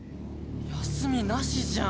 休みなしじゃん。